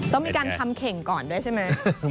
ต้องมีการทำเข่งก่อนด้วยใช่ไหม